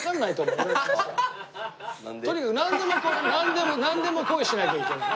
とにかくなんでもなんでも恋しなきゃいけない。